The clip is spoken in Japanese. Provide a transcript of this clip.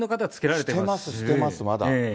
してます、してます、まだ。